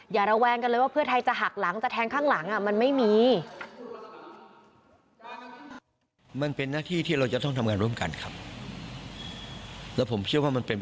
ระแวงกันเลยว่าเพื่อไทยจะหักหลังจะแทงข้างหลังมันไม่มี